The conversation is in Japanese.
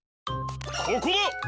ここだ！